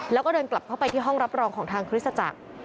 แล้วก็เดินกลับเข้าไปที่ห้องรับรองของทางคริสตจักร